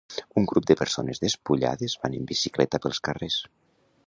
Un grup de persones despullades van en bicicleta pels carrers.